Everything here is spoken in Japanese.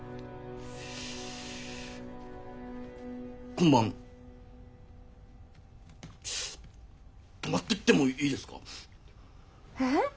今晩泊まってってもいいですか？